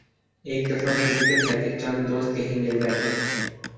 ایک دفعہ کا ذکر ہے کہ چند دوست کہیں مل بیٹھے